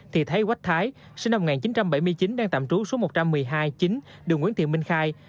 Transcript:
thì thấy quách thái sinh năm một nghìn chín trăm bảy mươi chín đang tạm trú số một trăm một mươi hai chín đường nguyễn thị minh khai